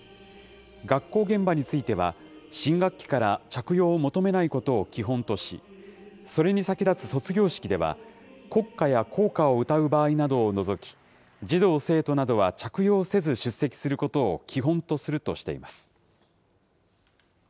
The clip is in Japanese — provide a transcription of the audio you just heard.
学校現場については、新学期から着用を求めないことを基本とし、それに先立つ卒業式では、国歌や校歌を歌う場合などをのぞき、児童・生徒などは着用せず出席することを基本とするとしています。